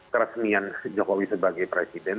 keresmian jokowi sebagai presiden